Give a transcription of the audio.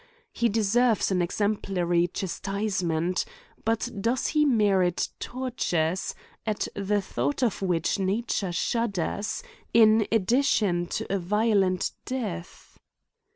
He deserves an exemplary chastisement ; but does he merit tortures, at the thought of which nature shudders, ^ in addition to a violent death